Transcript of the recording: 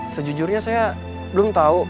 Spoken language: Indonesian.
sejujurnya saya belum tau